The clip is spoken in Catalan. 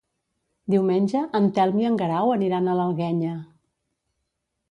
Diumenge en Telm i en Guerau aniran a l'Alguenya.